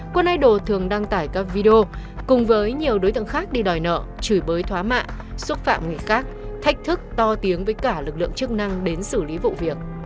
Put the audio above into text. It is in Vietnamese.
quân idol thường đăng tải các video cùng với nhiều đối tượng khác đi đòi nợ chửi bới thoá mạ xúc phạm người khác thách thức to tiếng với cả lực lượng chức năng đến xử lý vụ việc